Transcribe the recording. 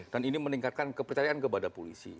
dan ini meningkatkan kepercayaan kepada polisi